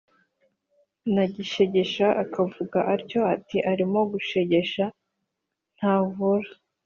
na Gishegesha akavuga atyo, ati: “Arimo Gishegesha ntavura”.